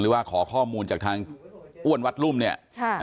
ว่าขอข้อมูลจากทางอ้วนวัดรุ่มเนี่ย